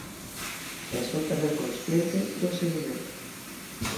E son tamén consciente dos seguimentos.